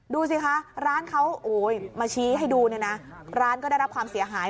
ดูสิคะร้านเขามาชี้ให้ดูเนี่ยนะร้านก็ได้รับความเสียหาย